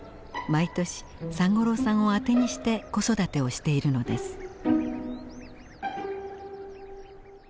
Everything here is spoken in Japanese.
毎年三五郎さんをあてにして子育てをしているのです。